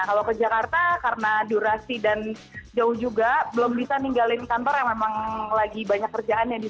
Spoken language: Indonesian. kalau ke jakarta karena durasi dan jauh juga belum bisa ninggalin kantor yang memang lagi banyak kerjaannya di sini